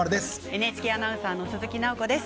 ＮＨＫアナウンサー鈴木奈穂子です。